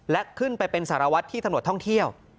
และขึ้นไปเป็นสารวัฒน์ที่ถนนท่องเที่ยว